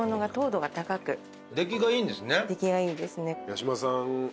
八嶋さん